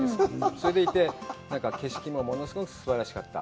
それでいて、なんか景色も物すごくすばらしかった。